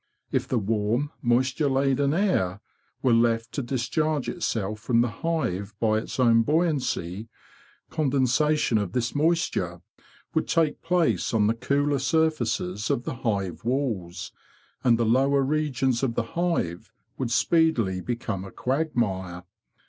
If the warm, moisture laden air were left to discharge itself from the hive by its own buoyancy, condensation of this moisture would take place on the cooler surfaces of the hive walls, and the lower regions of the hive would speedily 144 THE BEE MASTER OF WARRILOW become a quagmire.